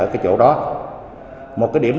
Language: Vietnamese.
cái chỗ đó một cái điểm